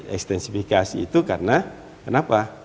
ekstensifikasi itu karena kenapa